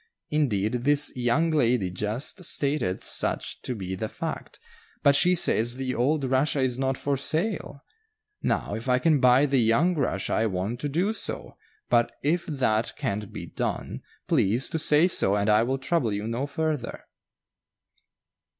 Indeed, this young lady just stated such to be the fact, but she says the old Russia is not for sale. Now, if I can buy the young Russia I want to do so but if that can't be done, please to say so and I will trouble you no further."